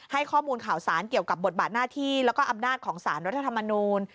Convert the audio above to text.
ให้ข้อมูลข่าวสารเกี่ยวกับบทบาทหน้าที่แล้วก็อำนาจของสารรัฐธรรมนูล